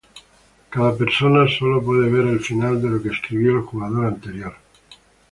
Cada persona sólo puede ver el final de lo que escribió el jugador anterior.